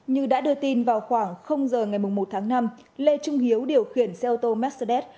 như đã đưa tin vào khoảng giờ ngày một tháng năm lê trung hiếu điều khiển xe ô tô mercedes